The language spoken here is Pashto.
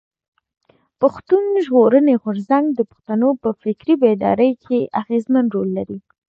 پښتون ژغورني غورځنګ د پښتنو په فکري بيداري کښي اغېزمن رول لري.